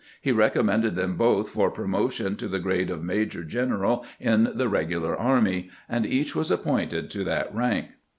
He recommended them both for pro motion to the grade of major general in the regular army, and each was appointed to that rank.